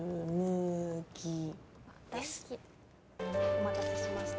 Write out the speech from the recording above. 「お待たせしました。